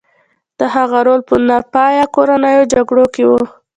د هغه رول په ناپایه کورنیو جګړو کې و.